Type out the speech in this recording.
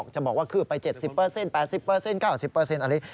จะบอกว่าคืบไป๗๐๘๐๙๐อะไรอย่างนี้